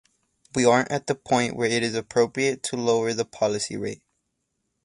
we aren't at the point where it is appropriate to lower the policy rate